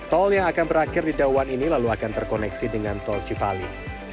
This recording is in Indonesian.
tol yang akan berakhir di dawan ini lalu akan terkoneksi dengan tol cipali